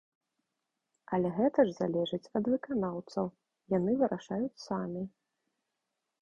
Але гэта ж залежыць ад выканаўцаў, яны вырашаюць самі.